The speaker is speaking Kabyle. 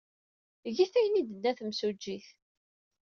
Get ayen ay d-tenna temsujjit.